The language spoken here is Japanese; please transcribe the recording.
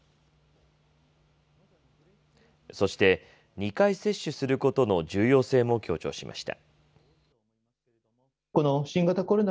そして、２回接種することの重要性も強調しました。